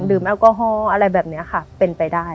แอลกอฮอล์อะไรแบบนี้ค่ะเป็นไปได้